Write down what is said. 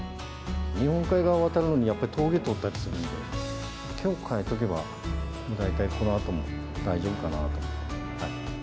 日本海側渡るのに、やっぱり峠通ったりするんで、きょう替えとけば、もう大体、このあとも大丈夫かなと。